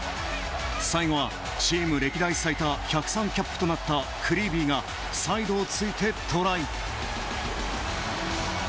最後は、チーム歴代最多１０３キャップとなったクリービーがサイドをついてトライ。